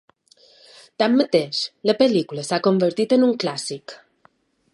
Tanmateix, la pel·lícula s'ha convertit en un clàssic.